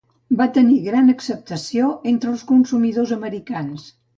Va tenir gran acceptació entre els consumidors americans.